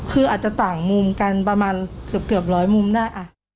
คืออาจจะต่างมุมกันประมาณเกือบร้อยมุมได้